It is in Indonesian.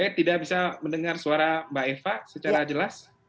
saya tidak bisa mendengar suara mbak eva secara jelas